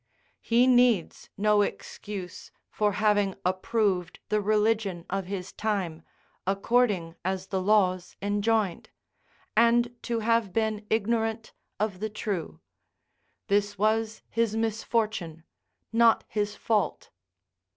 He needs no excuse for having approved the religion of his time, according as the laws enjoined, and to have been ignorant of the true; this was his misfortune, not his fault.